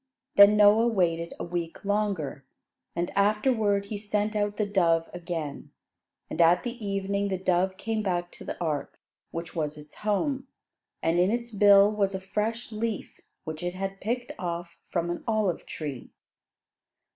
Then Noah waited a week longer, and afterward he sent out the dove again. And at the evening, the dove came back to the ark, which was its home; and in its bill was a fresh leaf which it had picked off from an olive tree.